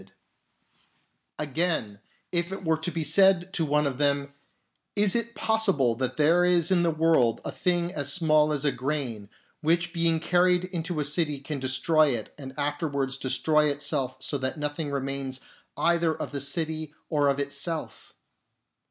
58 WEAKNESS OF LEARNED MEN Again, if it were to be said to one of them, " Is it possible that there is in the world a thing as small as a grain, which being carried into a city can destroy it and afterwards destroy itself so that nothing remains either of the city or of itself?